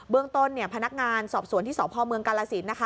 เรื่องต้นพนักงานสอบสวนที่สพเมืองกาลสินนะคะ